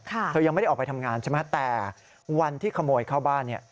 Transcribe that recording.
เธอยังไม่ได้ออกไปทำงานใช่ไหมแต่วันที่ขโมยเข้าบ้านเนี่ย